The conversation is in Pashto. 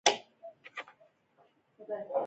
کاناډا د پولیسو اداره لري.